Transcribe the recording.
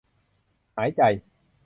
หายใจ